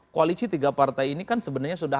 koalisi tiga partai ini kan sebenarnya sudah